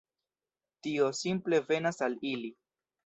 Tio simple venas al ili.